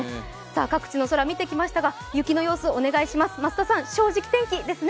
各地の空、見てきましたが雪の様子をお願いします。